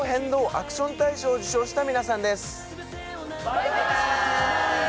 アクション大賞を受賞した皆さんです。